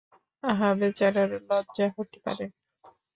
আহা, বেচারার লজ্জা হতে পারে।